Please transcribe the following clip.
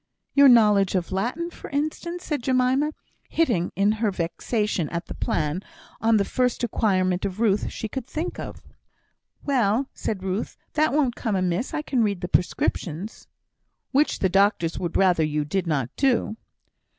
"Your knowledge of Latin, for instance," said Jemima, hitting, in her vexation at the plan, on the first acquirement of Ruth she could think of. "Well!" said Ruth, "that won't come amiss; I can read the prescriptions." "Which the doctors would rather you did not do."